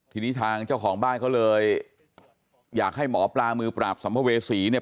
ทีนี้ทางเจ้าของบ้านเขาเลยอยากให้หมอปลามือปราบสัมภเวษีเนี่ย